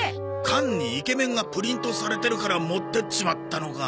缶にイケメンがプリントされてるから持ってっちまったのか。